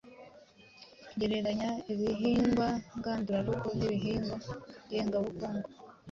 Gereranya ibihingwa ngandurarugo n’ibihingwa ngengabukungu.